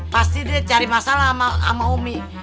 pasti dia cari masalah sama umi